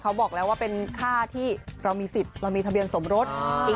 เขาบอกแล้วว่าเป็นค่าที่เรามีสิทธิ์เรามีทะเบียนสมรส